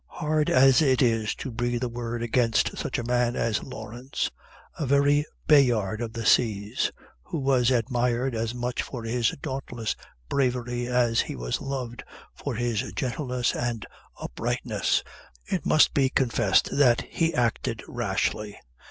Hard as it is to breathe a word against such a man as Lawrence, a very Bayard of the seas, who was admired as much for his dauntless bravery as he was loved for his gentleness and uprightness, it must be confessed that he acted rashly.